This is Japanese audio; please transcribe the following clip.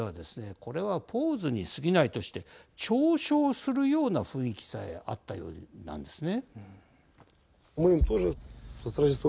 これはポーズにすぎないとして嘲笑するような雰囲気さえあったようなんですね。